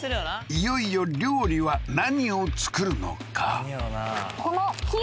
いよいよ料理は何を作るのか？